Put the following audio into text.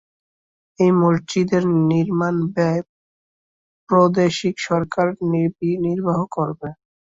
এই মসজিদের নির্মাণব্যয় প্রাদেশিক সরকার নির্বাহ করবে।